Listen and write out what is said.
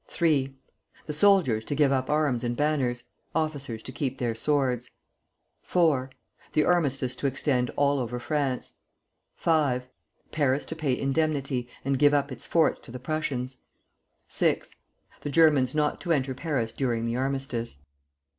III. The soldiers to give up arms and banners; officers to keep their swords. IV. The armistice to extend all over France. V. Paris to pay indemnity, and give up its forts to the Prussians. VI. The Germans not to enter Paris during the armistice.